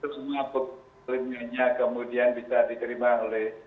itu semua bukti ilmiahnya kemudian bisa diterima oleh